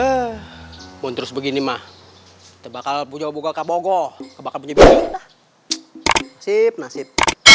eh pun terus begini mah bakal bujau buka kabogo bakal punya nasib nasib